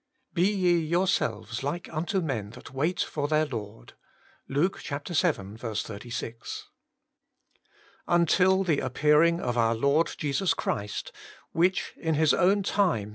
' Be ye yourselves like unto men that wait for their Lord.' — Luke xii. 36. * Until the appearing of our Lord Jesus Christ, which, in His own time.